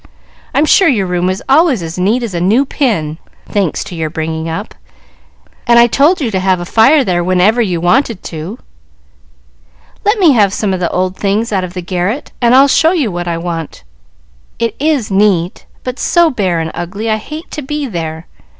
I'm sure your room is always as neat as a new pin, thanks to your bringing up, and I told you to have a fire there whenever you wanted to." "Let me have some old things out of the garret, and I'll show you what I want. It is neat, but so bare and ugly I hate to be there.